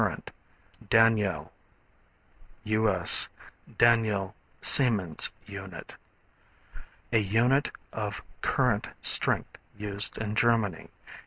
Current, Daniell/U.S. , Daniell/Siemens' Unit. A unit of current strength used in Germany.